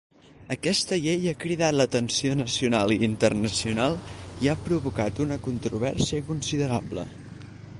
Aquesta llei ha cridat l'atenció nacional i internacional, i ha provocat una controvèrsia considerable.